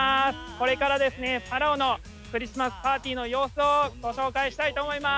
これからですね、パラオのクリスマスパーティーの様子をご紹介したいと思います。